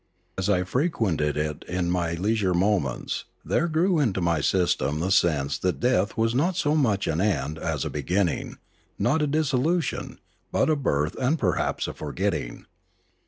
As I frequented it in my leisure moments, there grew into my system the sense that death was not so much an end as a beginning, not a dissolution, but a birth and perhaps a forgetting.